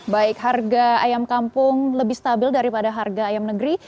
baik harga ayam kampung lebih stabil daripada harga ayam negeri